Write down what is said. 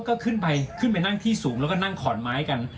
ก็ขึ้นไปขึ้นไปนั่งที่สูงแล้วก็นั่งขอนไม้กัน